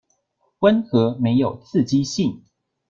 溫和沒有刺激性